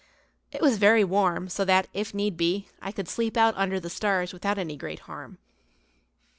It was very warm; so that, if need be, I could sleep out under the stars without any great harm.